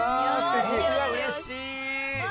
うれしい！